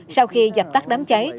sau khi dập tắt đám cháy